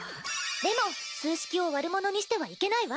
でも数式を悪者にしてはいけないわ。